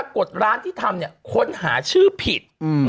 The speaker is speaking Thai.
ถ้ากดร้านที่ทำเนี่ยค้นหาชื่อผิด